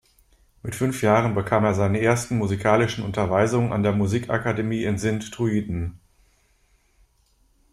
Mit fünf Jahren bekam er seine ersten musikalischen Unterweisungen an der Musik-Akademie in Sint-Truiden.